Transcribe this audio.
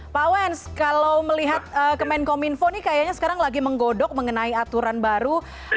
pak wens kalau melihat kemenkominfo nih kayaknya sekarang lagi menggodok mengenai aturan baru